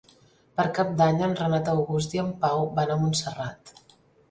Per Cap d'Any en Renat August i en Pau van a Montserrat.